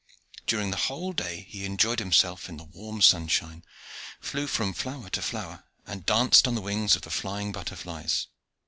During the whole day he enjoyed himself in the warm sunshine, flew from flower to flower, and danced on the wings of the flying butterflies.